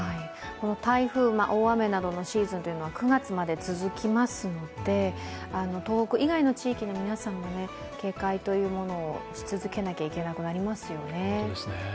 台風、大雨などのシーズンは９月まで続きますので、東北以外の地域の皆さんも警戒を続けなきゃいけなくなりますよね。